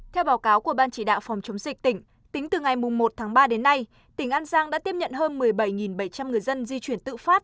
theo báo cáo của ban chỉ đạo phòng chống dịch tỉnh tính từ ngày một tháng ba đến nay tỉnh an giang đã tiếp nhận hơn một mươi bảy bảy trăm linh người dân di chuyển tự phát